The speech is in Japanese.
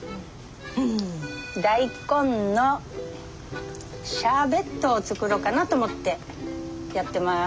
大根のシャーベットを作ろうかなと思ってやってます。